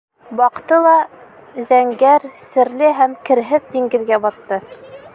Баҡты ла... зәңгәр, серле һәм керһеҙ диңгеҙгә батты.